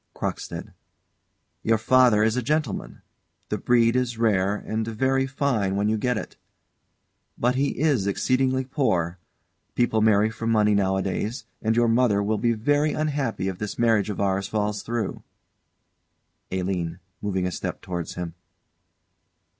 CROCKSTEAD. Your father is a gentleman. The breed is rare, and very fine when you get it. But he is exceedingly poor. People marry for money nowadays; and your mother will be very unhappy if this marriage of ours falls through. ALINE. [_Moving a step towards him.